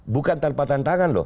bukan tanpa tantangan loh